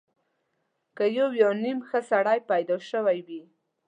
که یو یا نیم ښه سړی پیدا شوی وي.